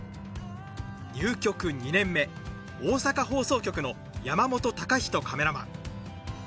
入局２年目、大阪放送局の山本尊仁カメラマン。